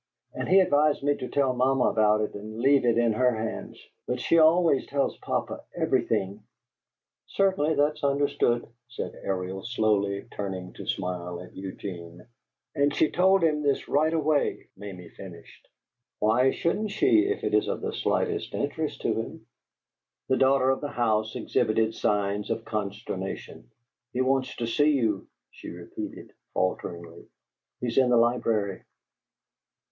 "And he advised me to tell mamma about it and leave it in her hands. But she always tells papa everything " "Certainly; that is understood," said Ariel, slowly, turning to smile at Eugene. "And she told him this right away," Mamie finished. "Why shouldn't she, if it is of the slightest interest to him?" The daughter of the house exhibited signs of consternation. "He wants to see you," she repeated, falteringly. "He's in the library."